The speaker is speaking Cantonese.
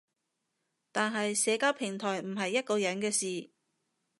但係社交平台唔係一個人嘅事